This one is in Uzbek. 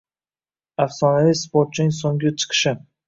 Afsonaviy sportchining so‘nggi chiqishi.